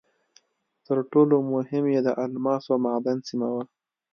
تر ټولو مهم یې د الماسو معدن سیمه وه.